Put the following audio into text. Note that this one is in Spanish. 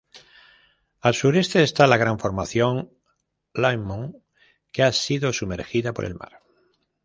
Al sureste está la gran formación Lamont que ha sido sumergida por el mar.